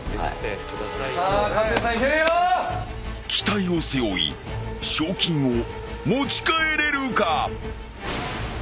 ［期待を背負い賞金を持ち帰れるか？］